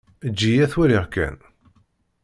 Eǧǧ-iyi ad t-waliɣ kan.